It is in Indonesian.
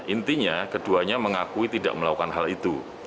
intinya keduanya mengakui tidak melakukan hal itu